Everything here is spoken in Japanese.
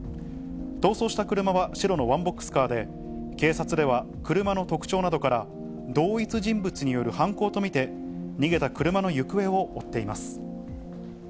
逃走した車は白のワンボックスカーで、警察では車の特徴などから、同一人物による犯行と見て、逃げた車の行方を追っています。